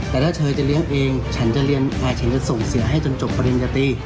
แต่ถ้าเธอจะเลี้ยงเองฉันจะเรียนฉันจะส่งเสียให้จนจบปริญญาตรี